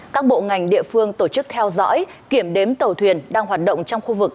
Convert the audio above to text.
các bộ ngành địa phương tổ chức theo dõi kiểm đếm tàu thuyền đang hoạt động trong khu vực